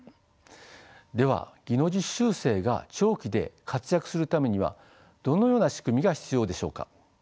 では技能実習生が長期で活躍するためにはどのような仕組みが必要でしょうか。